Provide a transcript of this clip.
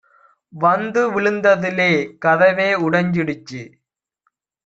வந்து விழுந்ததுலெ கதவே உடஞ்சிடுச்சு